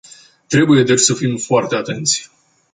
Trebuie deci să fim foarte atenți.